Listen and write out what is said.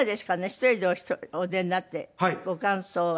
１人でお出になってご感想は。